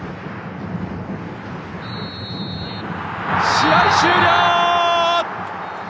試合終了！